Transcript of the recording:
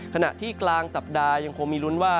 ขณะที่กลางสัปดาห์ยังคงมีลุ้นว่า